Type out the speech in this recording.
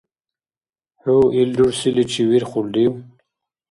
ХӀу ил рурсиличи вирхулрив?